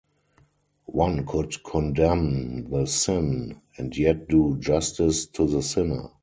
One could condemn the sin, and yet do justice to the sinner.